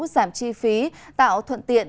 giảm chi phí tạo thuận tiện